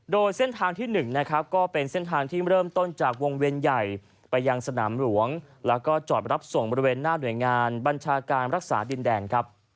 โดยเส้นทางที่๑นะครับก็เป็นเส้นทางที่เริ่มต้นจากวงเวียนใหญ่ไปยังสนามหลวงแล้วก็จอดรับส่งบริเวณหน้าหน่วยงานบัญชาการรักษาดินแดนครับ